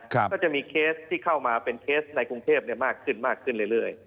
ก็จะมีเคสที่เข้ามาเป็นเคสในกรุงเทพมากขึ้นมากขึ้นเรื่อย